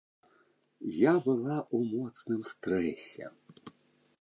Я была ў моцным стрэсе.